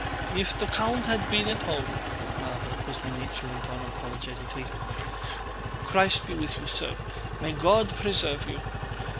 "If the count had been at home..." Mávra Kuzmínichna went on apologetically. "Christ be with you, sir! May God preserve you!"